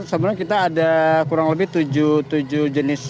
sebenarnya kita ada kurang lebih tujuh jenis